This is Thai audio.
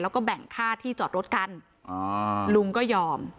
แล้วก็แบ่งค่าที่จอดรถกันอ๋อลุงก็ยอม